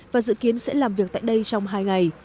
và dự kiến sẽ làm việc tại đây trong hai ngày